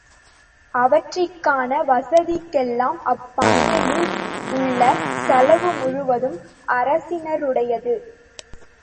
அவற்றிகான வசதிகளெல்லாம் அப்பண்னையில் உள்ளன செலவு முழுவதும் அரசினருடையது.